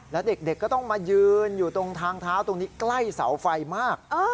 แล้วเด็กก็ต้องมายืนอยู่ตรงทางเท้าตรงนี้ใกล้เสาไฟมาก